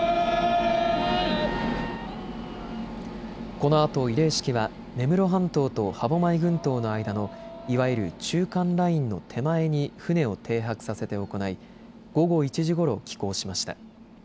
このあと慰霊式は根室半島と歯舞群島の間のいわゆる中間ラインの手前に船を停泊させて行い午後１時ごろ帰港しました。